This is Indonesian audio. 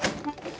kamu mau ke rumah